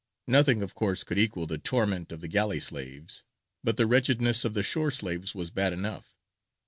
Nothing of course could equal the torment of the galley slaves, but the wretchedness of the shore slaves was bad enough.